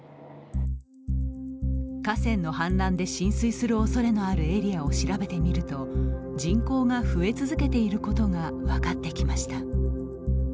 河川の氾濫で浸水するおそれのあるエリアを調べてみると人口が増え続けていることが分かってきました。